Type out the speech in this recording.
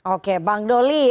oke bang doli